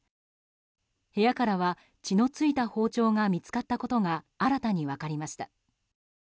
部屋からは、血の付いた包丁が見つかったことが新たに分かりました。